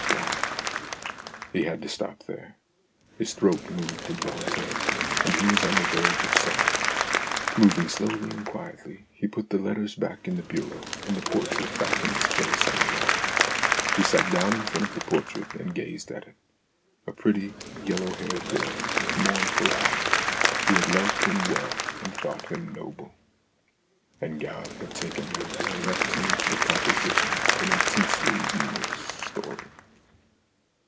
Why ' He had to stop there. His throat moved involun tarily, and he was on the verge of sobbing. Moving slowly and quietly, he put the letters back in the bureau and the portrait back in its place on the wall. He sat down in front of the portrait and gazed at it a pretty, yellow haired girl with mournful eyes, who had loved him well and thought him noble. And God had taken her and left him to the composition of an intensely humorous story.